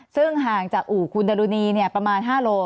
ซึ่งห่างจากอู่คุณดรุณีประมาณ๕โล